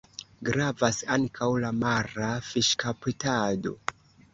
Gravas ankaŭ la mara fiŝkaptado.